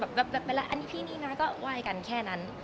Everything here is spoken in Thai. แบบเป็นไรอันนี้พี่นี่นะก็ว่ายกันแค่นั้น